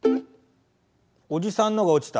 「おじさんのが落ちた」。